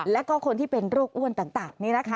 แล้วก็คนที่เป็นโรคอ้วนต่าง